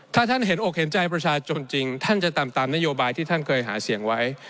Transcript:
ถ้าท่านเห็นอกเห็นใจประชาชนจริงท่านจะทำตามนโยบายที่ท่านเคยหาเสียงไว้